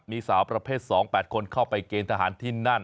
มีสาวประเภท๒๘คนเข้าไปเกณฑ์ทหารที่นั่น